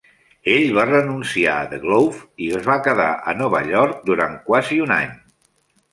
Ell va renunciar a "The Globe" i es va quedar a Nova York durant quasi un any.